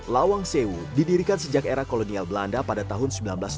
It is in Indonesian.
lawang sewu didirikan sejak era kolonial belanda pada tahun seribu sembilan ratus sembilan puluh